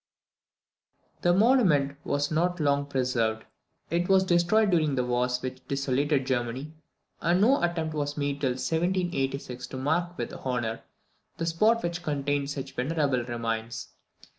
This monument was not long preserved. It was destroyed during the wars which desolated Germany; and no attempt was made till 1786 to mark with honour the spot which contained such venerable remains.